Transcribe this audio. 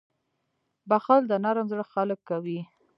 • بښل د نرم زړه خلک کوي.